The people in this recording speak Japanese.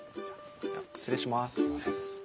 失礼します。